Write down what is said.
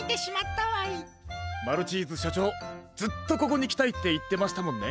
マルチーズしょちょうずっとここにきたいっていってましたもんね。